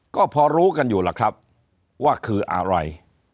ก็พอรู้กันอยู่ล่ะครับว่าคืออะไร